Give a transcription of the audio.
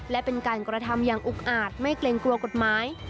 และเป็นการกระทำอย่างอุกอาจไม่เกรงกลัวกฎหมาย